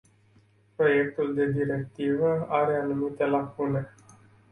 Proiectul de directivă are anumite lacune.